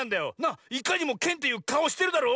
いかにもケンっていうかおしてるだろ？